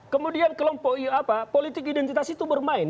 kemudian kelompok politik identitas itu bermain